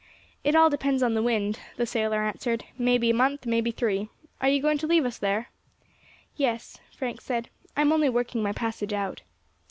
"It all depends upon the wind," the sailor answered, "may be a month, may be three. Are you going to leave us there?" "Yes," Frank said, "I am only working my passage out."